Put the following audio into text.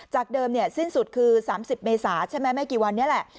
จากเดิมสิ้นสุดคือ๓๐เมษาใช่ไหมไม่กี่วันนี้แหละ